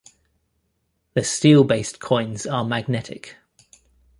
The steel-based coins are magnetic.